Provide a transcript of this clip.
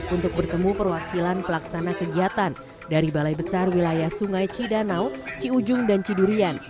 untuk bertemu perwakilan pelaksana kegiatan dari balai besar wilayah sungai cidanau ciujung dan cidurian